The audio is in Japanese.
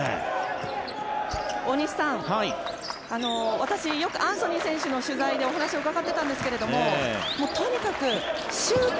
大西さん、私よくアンソニー選手の取材にお話を伺ってたんですがとにかくシュート。